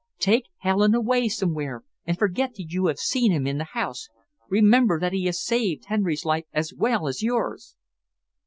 Take Helen away somewhere and forget that you have seen him in the house. Remember that he has saved Henry's life as well as yours."